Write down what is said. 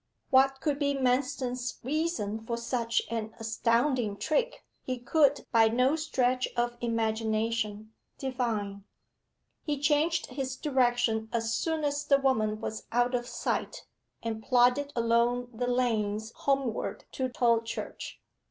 What could be Manston's reason for such an astounding trick he could by no stretch of imagination divine. He changed his direction as soon as the woman was out of sight, and plodded along the lanes homeward to Tolchurch.